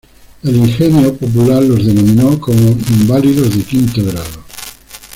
El ingenio popular los denominó como "inválidos de quinto grado".